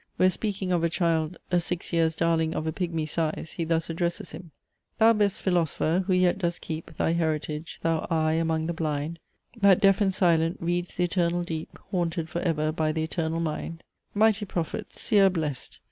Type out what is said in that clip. where, speaking of a child, "a six years' Darling of a pigmy size," he thus addresses him: "Thou best Philosopher, who yet dost keep Thy heritage, thou Eye among the blind, That, deaf and silent, read'st the eternal deep, Haunted for ever by the Eternal Mind, Mighty Prophet! Seer blest!